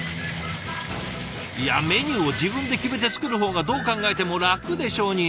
いやメニューを自分で決めて作る方がどう考えても楽でしょうに。